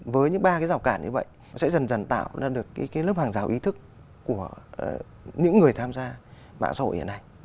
với những ba cái rào cản như vậy sẽ dần dần tạo ra được cái lớp hàng rào ý thức của những người tham gia mạng xã hội hiện nay